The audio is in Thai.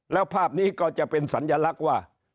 แล้วภาพนี้ก็จะเป็นสัญลักษณ์ว่า